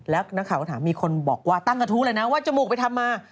แล้วนักข่าวก็ถามมีคนบอกว่าตั้งกระทู้เลยนะว่าจมูกไปทำมา